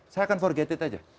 saya akan forget it aja